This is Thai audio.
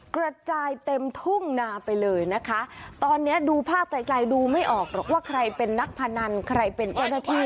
กระจายเต็มทุ่งนาไปเลยนะคะตอนนี้ดูภาพไกลไกลดูไม่ออกหรอกว่าใครเป็นนักพนันใครเป็นเจ้าหน้าที่